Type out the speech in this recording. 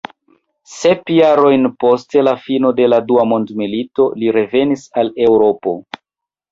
Sep jarojn post la fino de la dua mondmilito li revenis al Eŭropo.